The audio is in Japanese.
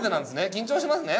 緊張しますね